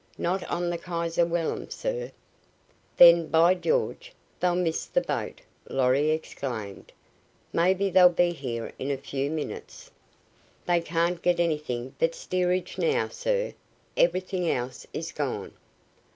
"Not on the Kaiser Wilhelm, sir." "Then, by George, they'll miss the boat!" Lorry exclaimed. "Maybe they'll be here in a few minutes." "They can't get anything but steerage now, sir. Everything else is gone."